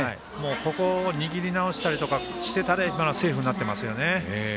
ここを握りなおしとかしてたらセーフになってますよね。